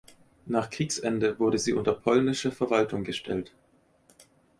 Nach Kriegsende wurde sie unter polnische Verwaltung gestellt.